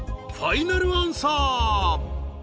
ファイナルアンサー？］